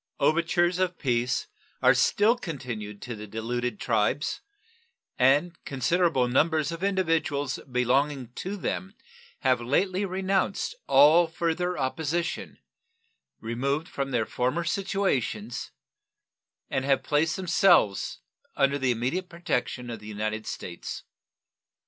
Overtures of peace are still continued to the deluded tribes, and considerable numbers of individuals belonging to them have lately renounced all further opposition, removed from their former situations, and placed themselves under the immediate protection of the United States.